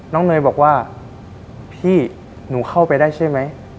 เนยบอกว่าพี่หนูเข้าไปได้ใช่ไหม